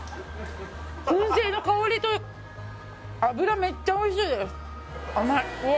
燻製の香りと脂めっちゃおいしいです甘いうわ